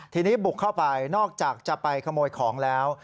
ทีนี้บุกเข้าไปนอกจากจะไปขโมยของแล้ว